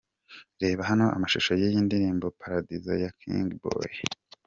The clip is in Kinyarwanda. Reba hano amashusho y'iyi ndirimbo 'Paradizo' ya King Bayo .